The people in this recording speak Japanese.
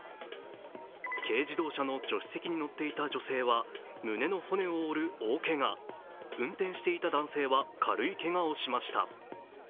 軽自動車の助手席に乗っていた女性は、胸の骨を折る大けが、運転していた男性は軽いけがをしました。